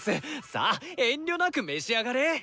さぁ遠慮なく召し上がれ！